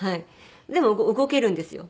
でも動けるんですよ。